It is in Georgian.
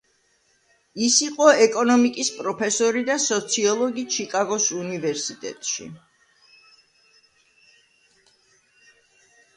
ის იყო ეკონომიკის პროფესორი და სოციოლოგი ჩიკაგოს უნივერსიტეტში.